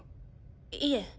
いえ。